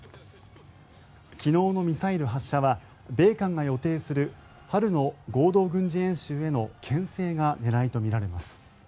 昨日のミサイル発射は米韓が予定する春の合同軍事演習へのけん制が狙いとみられます。